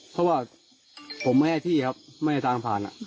เพราะว่าผมไม่ให้ที่ครับไม่ให้ทางผ่าน